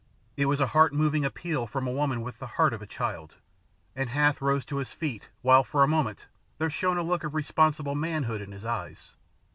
It was a heart moving appeal from a woman with the heart of a child, and Hath rose to his feet while for a moment there shone a look of responsible manhood in his eyes.